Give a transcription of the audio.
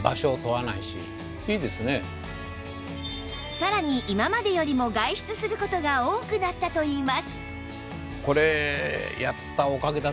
さらに今までよりも外出する事が多くなったといいます